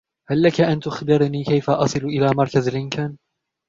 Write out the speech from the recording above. هل لك أن تخبرني كيف أصل إلى مركز لنكن ؟